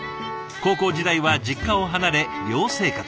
高校時代は実家を離れ寮生活。